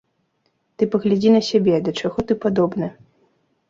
Ты паглядзі на сябе, да чаго ты падобны.